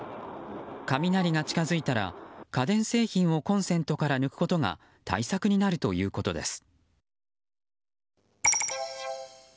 雷が近づいたら家電製品をコンセントから抜くことが対策になるということです。